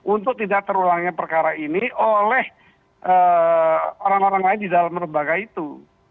untuk tidak terulangnya perkara ini oleh orang orang lain di dalam lembaga itu